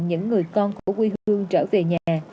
những người con của quê hương trở về nhà